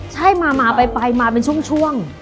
ใช่มาไปมาเป็นช่วง